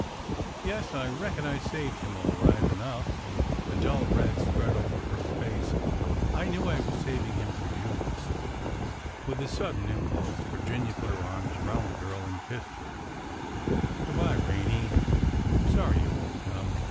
" Yes, I reckon I saved him all right enough— and— " a dull red spread over her face —" I knew I was savin' him fur you." With a sudden impulse Virginia put her arms around the girl and kissed her. " Good by, Rene. I 'm sorry you won't come."